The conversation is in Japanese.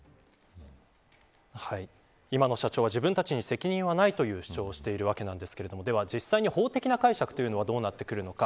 今の社長は、自分たちに責任はないという主張をしているわけですが実際に法的な解釈はどうなってくるのか。